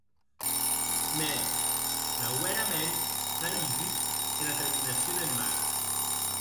Mès nauèraments s’a hijut era terminacion en mar.